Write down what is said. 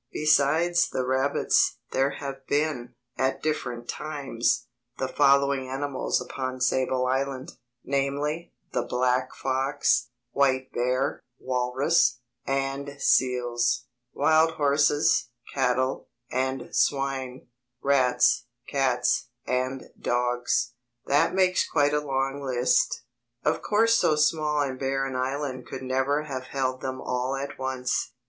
Besides the rabbits, there have been, at different times, the following animals upon Sable Island—namely, the black fox, white bear, walrus, and seals; wild horses, cattle, and swine; rats, cats, and dogs. That makes quite a long list. Of course so small and bare an island could never have held them all at once.